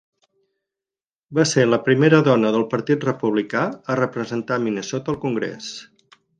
Va ser la primera dona del Partit Republicà a representar a Minnesota al congrés.